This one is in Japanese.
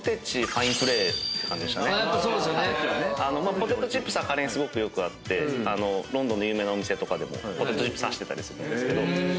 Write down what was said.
ポテトチップスはカレーにすごくよく合ってロンドンの有名なお店とかでもポテトチップス差してたりするんですが。